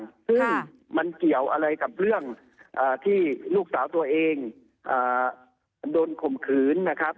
ซึ่งมันเกี่ยวอะไรกับเรื่องที่ลูกสาวตัวเองโดนข่มขืนนะครับ